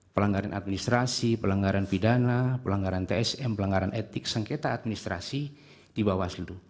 pelanggaran administrasi pelanggaran pidana pelanggaran tsm pelanggaran etik sengketa administrasi di bawaslu